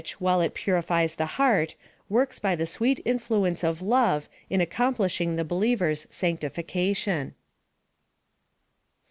while it purifies the heart, works by PLAN OF SALVATION. '^03 the sweet ir^fluence of love in accomplishing the believer's sanctification.